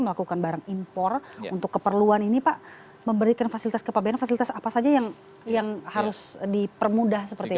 melakukan barang impor untuk keperluan ini pak memberikan fasilitas kepabean fasilitas apa saja yang harus dipermudah seperti itu